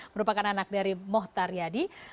merupakan anak dari mohtar yadi